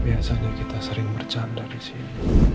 biasanya kita sering bercanda disini